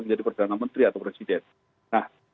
menjadi perdana menteri atau presiden nah